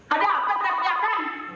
ada apa terjadi